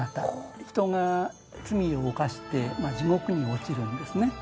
人が罪を犯して地獄に落ちるんですね。